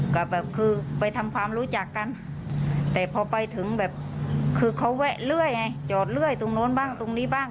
เขาแวะเรื่อยจอดเรื่อยตรงโน้นบ้างตรงนี้บ้าง